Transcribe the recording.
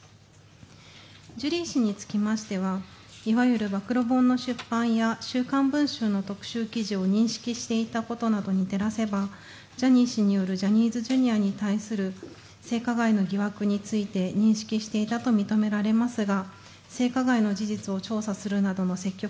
ジュリー氏につきましてはいわゆる暴露本の出版や「週刊文春」の特集記事を認識していたことなどに照らせばジャニー氏によるジャニーズＪｒ．に対する性加害の疑惑について認識していたと認められますが